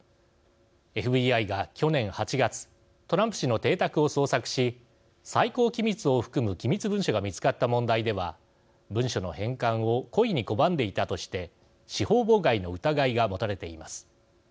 ＦＢＩが去年８月トランプ氏の邸宅を捜索し最高機密を含む機密文書が見つかった問題では文書の返還を故意に拒んでいたとして司法妨害の疑いが持たれています。